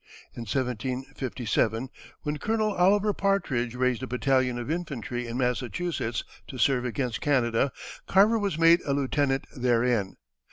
In 1757, when Colonel Oliver Partridge raised a battalion of infantry in Massachusetts to serve against Canada, Carver was made a lieutenant therein.